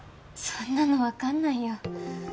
そんなの分かんないよ